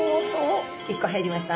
１個入りました。